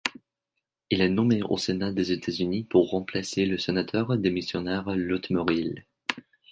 Il est nommé au Sénat des États-Unis pour remplacer le sénateur démissionnaire Lot Morrill.